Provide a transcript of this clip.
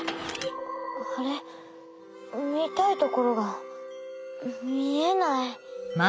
あれっ？みたいところがみえない。